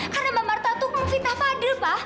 karena mbak marta itu fitnah padir pak